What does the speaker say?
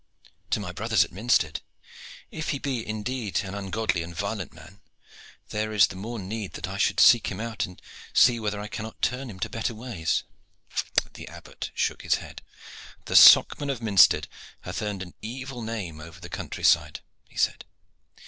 "To my brother's at Minstead. If he be indeed an ungodly and violent man, there is the more need that I should seek him out and see whether I cannot turn him to better ways." The Abbot shook his head. "The Socman of Minstead hath earned an evil name over the country side," he said.